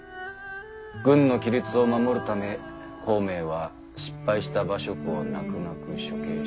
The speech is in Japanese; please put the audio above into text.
軍の規律を守るため孔明は失敗した馬謖を泣く泣く処刑した。